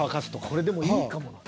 これでもいいかもな。